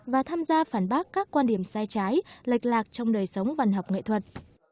và tham gia phản bác các quan điểm sai trái lệch lạc trong đời sống văn học nghệ thuật